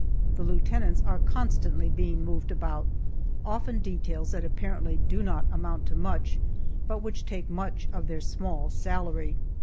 The lieutenants are constantly being moved about, often details that apparently do not amount to much but which take much of their small salary.